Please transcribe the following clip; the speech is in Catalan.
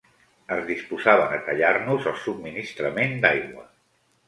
Es disposaven a tallar-nos el subministrament d'aigua